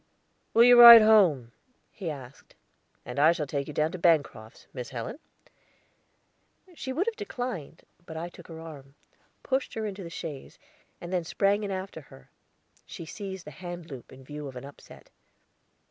"Will you ride home?" he asked. "And shall I take you down to Bancroft's, Miss Helen?" She would have declined, but I took her arm, pushed her into the chaise, and then sprang in after her; she seized the hand loop, in view of an upset.